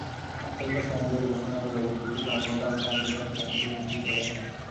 আজকালকার সমুদয় উপাসনা পূজাপদ্ধতি কর্মকাণ্ড তন্ত্রমতেই অনুষ্ঠিত হইয়া থাকে।